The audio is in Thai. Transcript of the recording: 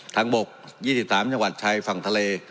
บก๒๓จังหวัดชายฝั่งทะเล